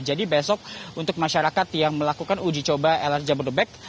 jadi besok untuk masyarakat yang melakukan uji coba lrt jambon bebek